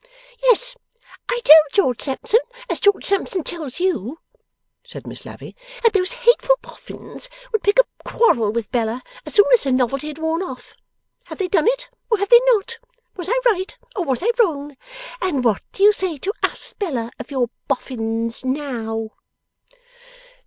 'Yes! I told George Sampson, as George Sampson tells you,' said Miss Lavvy, 'that those hateful Boffins would pick a quarrel with Bella, as soon as her novelty had worn off. Have they done it, or have they not? Was I right, or was I wrong? And what do you say to us, Bella, of your Boffins now?